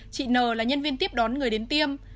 chị n là nhân viên tiếp đón người đến tiêm